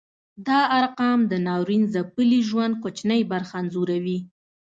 دا ارقام د ناورین ځپلي ژوند کوچنۍ برخه انځوروي.